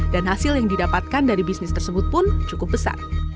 dan hasil yang didapatkan dari bisnis tersebut pun cukup besar